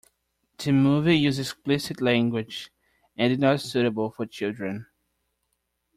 The movie uses explicit language and is not suitable for children.